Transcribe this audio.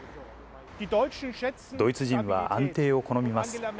ドイツ人は安定を好みます。